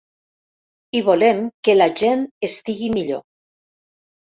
I volem que la gent estigui millor.